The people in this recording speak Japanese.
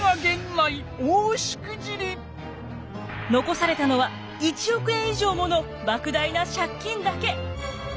残されたのは１億円以上もの莫大な借金だけ。